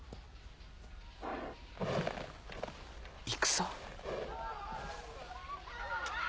戦？